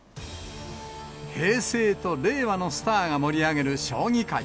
平成と令和のスターが盛り上げる将棋界。